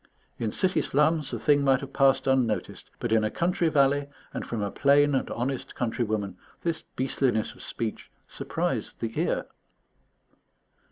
In city slums, the thing might have passed unnoticed; but in a country valley, and from a plain and honest countrywoman, this beastliness of speech surprised the ear.